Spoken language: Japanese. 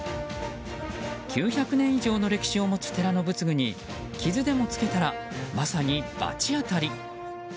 ９００年以上の歴史を持つ寺の仏具に傷でもつけたらまさに罰当たり。